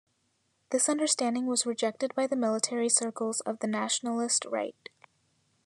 This understanding was rejected by the military circles of the nationalist Right.